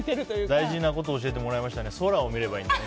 大事なことを教えてもらいましたね。